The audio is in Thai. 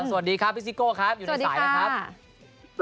สวัสดีครับพี่ซิโก้ครับอยู่ในสายนะครับ